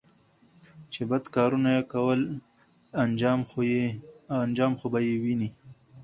چې بد کارونه يې کول انجام خو به یې ویني